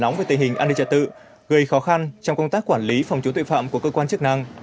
gây khó khăn trong công tác quản lý phòng chống tội phạm của cơ quan chức năng